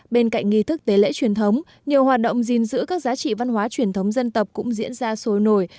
bên cạnh nghi thức tế lễ truyền thống nhiều hoạt động gìn giữ các giá trị văn hóa truyền thống dân tộc cũng diễn ra sôi nổi